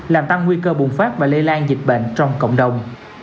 có thể nói việc trị pháp và lây lan dịch bệnh trong cộng đồng